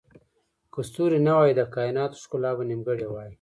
که ستوري نه وای، د کایناتو ښکلا به نیمګړې وای.